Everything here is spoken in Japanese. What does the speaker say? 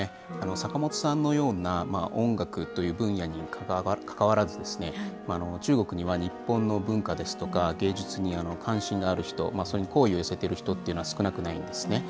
坂本さんのような音楽という分野にかかわらず、中国には日本の文化ですとか芸術に関心がある人、それに好意を寄せている人というのは少なくないんですね。